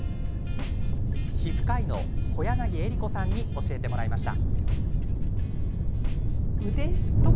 皮膚科医の小柳衣吏子さんに教えてもらいました。